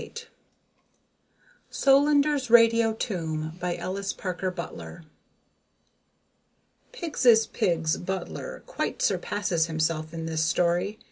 net SOLANDER'S RADIO TOMB By ELLIS PARKER BUTLER _"Pigs Is Pigs" Butler quite surpasses himself in this story.